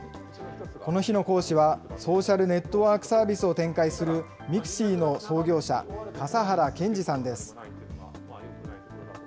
この日の講師はソーシャルネットワークサービスを展開するＭＩＸＩの創業者、笠原健治さんです。